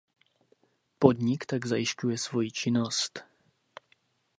Podnik tak zajišťuje svojí činnost.